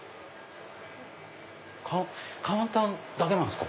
カウンターだけなんですか？